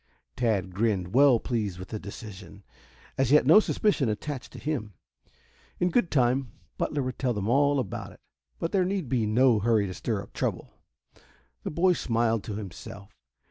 Tad grinned, well pleased with the decision. As yet no suspicion attached to him. In good time Butler would tell them about it, but there need be no hurry to stir up trouble. The boy smiled to himself.